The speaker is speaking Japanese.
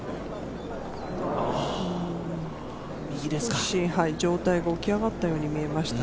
少し上体が起き上がったように見えました。